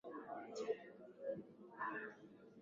Watoto wachanga walilala mchana kutwa.